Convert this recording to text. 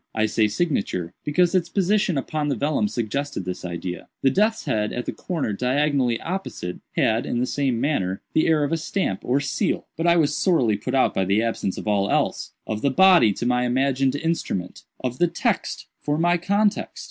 I say signature; because its position upon the vellum suggested this idea. The death's head at the corner diagonally opposite, had, in the same manner, the air of a stamp, or seal. But I was sorely put out by the absence of all else—of the body to my imagined instrument—of the text for my context."